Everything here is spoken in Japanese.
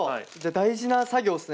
大事な作業っすね！